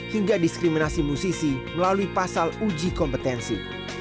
hingga diskriminasi musisi melalui pasal uji kompetensi